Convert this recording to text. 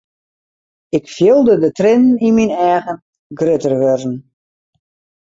Ik fielde de triennen yn myn eagen grutter wurden.